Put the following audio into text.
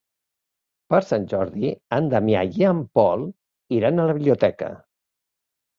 Per Sant Jordi en Damià i en Pol iran a la biblioteca.